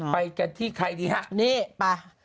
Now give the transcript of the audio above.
ไปกันที่ใครดีฮะนี่ไป